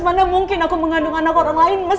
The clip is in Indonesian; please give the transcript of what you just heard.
mana mungkin aku mengandung anak orang lain mas